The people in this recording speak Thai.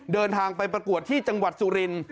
เดินทางไปประกวดที่จังหวัดสุรินทร์